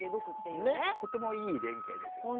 とてもいい連携ですよね。